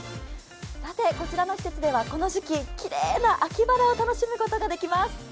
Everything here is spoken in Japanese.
こちらの施設では、この時期、きれいな秋晴れを楽しむことができます。